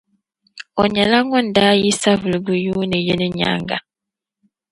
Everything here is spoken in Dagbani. O nyɛla ŋun daa yi Savelugu yuuni yini nyaaŋa.